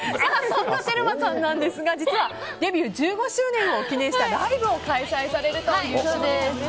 そんなテルマさんですが実はデビュー１５周年を記念したライブを開催されるということです。